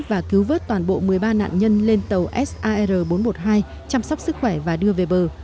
và cứu vớt toàn bộ một mươi ba nạn nhân lên tàu sar bốn trăm một mươi hai chăm sóc sức khỏe và đưa về bờ